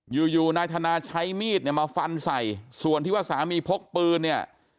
อยู่อยู่นายธนาใช้มีดเนี่ยมาฟันใส่ส่วนที่ว่าสามีพกปืนเนี่ย